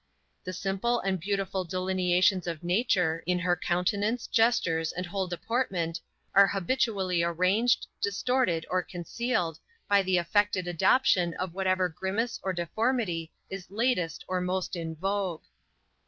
The simple and beautiful delineations of nature, in her countenance, gestures and whole deportment, are habitually arranged, distorted, or concealed, by the affected adoption of whatever grimace or deformity is latest or most in vogue.